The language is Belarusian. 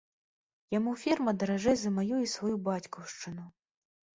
Яму ферма даражэй за маю і сваю бацькаўшчыну.